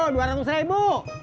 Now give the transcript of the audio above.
dua ratus ribu